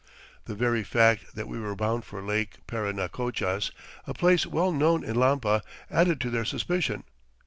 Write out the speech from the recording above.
The very fact that we were bound for Lake Parinacochas, a place well known in Lampa, added to their suspicion.